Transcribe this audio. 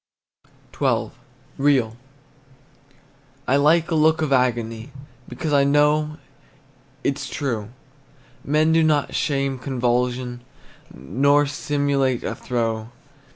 XII. REAL. I like a look of agony, Because I know it 's true; Men do not sham convulsion, Nor simulate a throe.